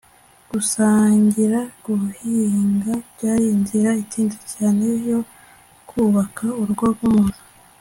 gusangira-guhinga byari inzira itinze cyane yo kubaka urugo rwumuntu